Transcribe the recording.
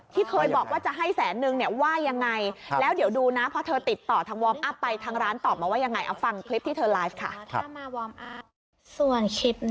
ที่เคยบอกว่าจะให้แสนนึงว่ายังไง